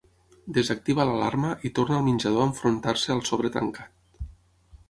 Desactiva l'alarma i torna al menjador a enfrontar-se al sobre tancat.